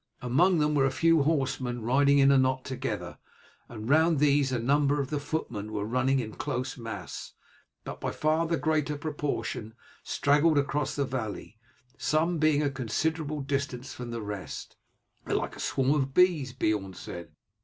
Among them were a few horsemen riding in a knot together, and round these a number of the footmen were running in a close mass; but by far the greater proportion straggled across the valley, some being a considerable distance behind the rest. "They are like a swarm of bees," Beorn said.